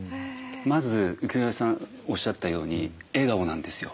まず浮世さんおっしゃったように笑顔なんですよ。